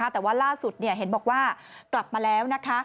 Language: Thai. แต่ว่าล่าสุดเห็นบอกว่ากลับมาแล้วนะคะ